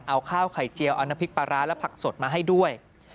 เอาข้าวไข่เจียวเอาน้ำพริกปลาร้าและผักสดมาให้ด้วย